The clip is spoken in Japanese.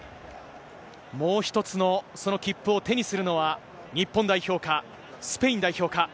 もう１つのその切符を手にするのは、日本代表か、スペイン代表か。